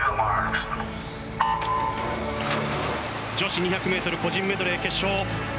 女子２００ｍ個人メドレー決勝。